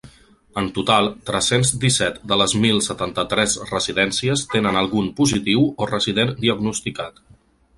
En total, tres-cents disset de les mil setanta-tres residències tenen algun positiu o resident diagnosticat.